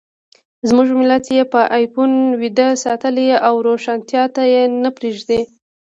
زموږ ملت یې په افیون ویده ساتلی او روښانتیا ته یې نه پرېږدي.